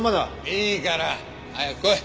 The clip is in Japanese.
いいから早く来い。